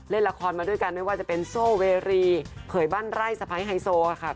เล่นละครมาด้วยกันไม่ว่าจะเป็นโซ่เวรีเขยบ้านไร่สะพ้ายไฮโซค่ะ